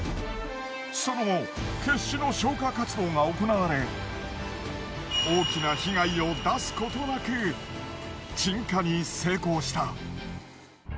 その後決死の消火活動が行われ大きな被害を出すことなく鎮火に成功した。